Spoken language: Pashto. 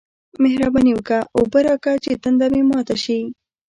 مهرباني وکه! اوبه راکه چې تنده مې ماته شي